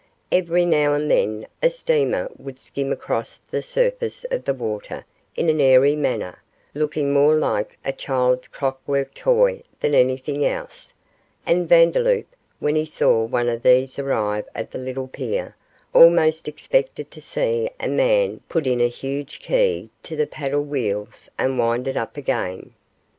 Every now and then a steamer would skim across the surface of the water in an airy manner, looking more like a child's clockwork toy than anything else, and Vandeloup, when he saw one of these arrive at the little pier, almost expected to see a man put in a huge key to the paddle wheels and wind it up again.